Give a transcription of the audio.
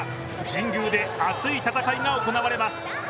神宮で熱い戦いが行われます。